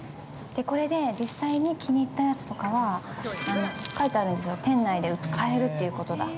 これで実際に気に入ったやつとかは、書いてあるんですよ、店内で買えるっていうことだ。